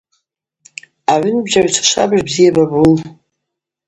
Агӏвынбжьагӏвчва швабыж бзи йабабун.